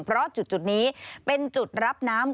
เพราะจุดนี้เป็นจุดรับน้ำ